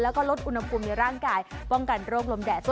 แล้วก็ลดอุณหภูมิในร่างกายป้องกันโรคลมแดด